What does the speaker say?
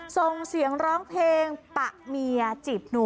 ส่งเสียงร้องเพลงปะเมียจีบหนู